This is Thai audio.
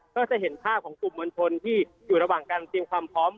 ก็จะเห็นภาพของกลุ่มมวลชนที่อยู่ระหว่างการเตรียมความพร้อม